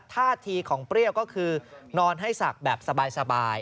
ท่าทีของเปรี้ยวก็คือนอนให้ศักดิ์แบบสบาย